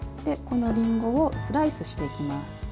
このりんごをスライスしていきます。